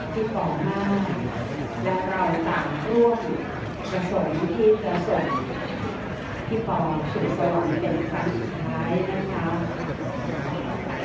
พี่ป๋อมาและเราสามร่วมส่วนพิษและส่วนพี่ป๋อสุดส่วนเป็นขั้นสุดท้ายนะครับ